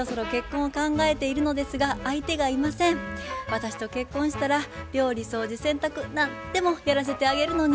私と結婚したら料理掃除洗濯何でもやらせてあげるのに。